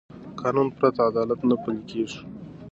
قانون پرته عدالت نه پلي کېږي